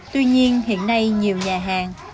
tuy nhiên hiện nay nhiều nhà hàng